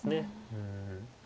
うん。